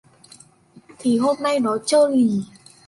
Thì hôm nay nó trơ lì